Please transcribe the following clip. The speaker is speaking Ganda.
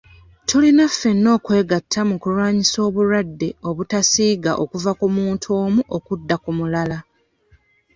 Tulina ffena okwegatta mu kulwanyisa obulwadde obutasiiga kuva ku muntu omu okudda ku mulala.